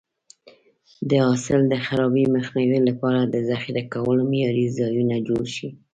د حاصل د خرابي مخنیوي لپاره د ذخیره کولو معیاري ځایونه جوړ شي.